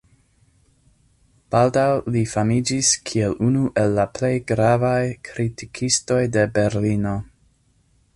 Baldaŭ li famiĝis kiel unu el la plej gravaj kritikistoj de Berlino.